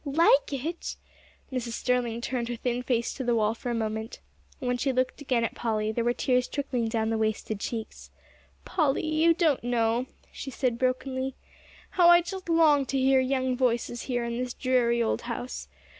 "Like it!" Mrs. Sterling turned her thin face to the wall for a moment. When she looked again at Polly, there were tears trickling down the wasted cheeks. "Polly, you don't know," she said brokenly, "how I just long to hear young voices here in this dreary old house.